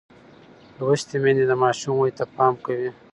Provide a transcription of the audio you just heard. لوستې میندې د ماشوم ودې ته پام کوي.